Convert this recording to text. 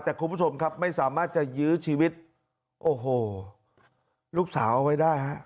แต่คุณผู้ชมครับไม่สามารถจะยื้อชีวิตโอ้โหลูกสาวเอาไว้ได้ฮะ